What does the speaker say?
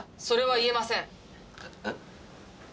それは言えません！